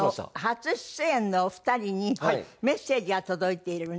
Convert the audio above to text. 初出演のお二人にメッセージが届いているみたい。